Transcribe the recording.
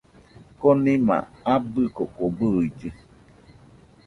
Konima abɨ koko bɨillɨ